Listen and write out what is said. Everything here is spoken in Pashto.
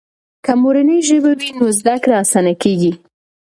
که مورنۍ ژبه وي نو زده کړه آسانه کیږي.